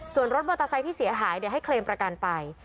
ส่วนรถมอเตอร์ไซค์ที่เสียหายเดี๋ยวให้เคลมประกันไป